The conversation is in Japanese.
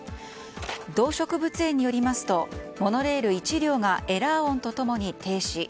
動植物園によりますとモノレール１両がエラー音と共に停止。